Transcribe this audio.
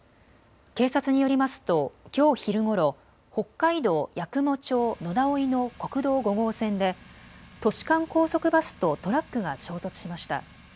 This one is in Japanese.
警察によりますときょう昼ごろ、北海道八雲町野田生の国道５号線で都市間高速バスとトラックが衝突しました。